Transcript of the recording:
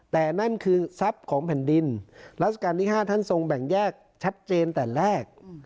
แต่นั่นคือทรัพย์ของแผ่นดินรัชกาลที่๕ท่านทรงแบ่งแยกชัดเจนแต่แรก